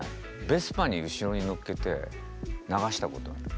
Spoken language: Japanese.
ベスパに後ろに乗っけて流したことある。